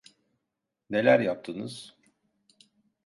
Neler yaptınız?